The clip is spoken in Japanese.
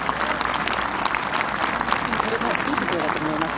いいところだと思います。